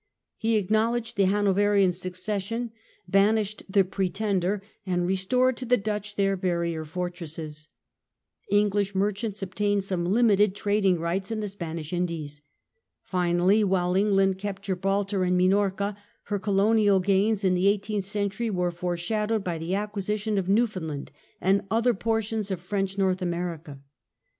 He acknowledged the Hanoverian succes sion, banished the Pretender, and restored to the Dutch their barrier fortresses. English merchants obtained some limited trading rights in the Spanish Indies. Finally, while England kept Gibraltar and Minorca, her colonial gains in the eighteenth century were foreshadowed by the acquisition of Newfoundland and other portions of French North America.